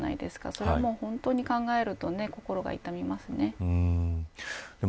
それを考えると心が痛みますね。